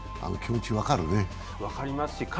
あの気持ち、分かるね。